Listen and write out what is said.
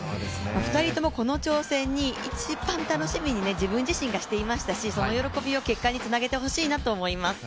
２人ともこの挑戦に一番、楽しみに自分自身がしていましたしその喜びを結果につなげてほしいなと思います。